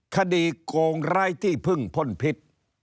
คดีโกงร้ายที่พึ่งพ่นพิษ